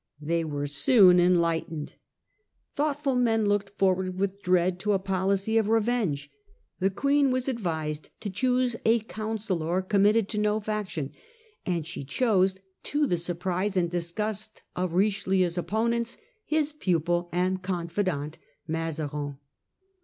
They were soon enlightened. Thoughtful men looked forward with dread to a policy of revenge. The Queen Mazarin was ac ^ v * sec ^ to ch° ose a councillor committed succeeds to no faction, and she chose, to the surprise Richelieu. an d disgust 0 f Richelieu's opponents, his pupil and confidant Mazarin.